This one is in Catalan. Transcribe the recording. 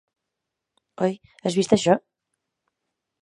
Oi, has vist això?